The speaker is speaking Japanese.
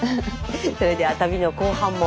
それでは旅の後半も。